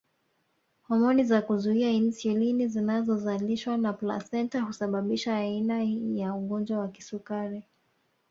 Homoni za kuzuia insulini zinazozalishwa na plasenta husababisha aina hii ya ugonjwa wa kisukari